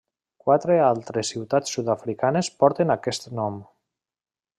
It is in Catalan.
Quatre altres ciutats sud-africanes porten aquest nom.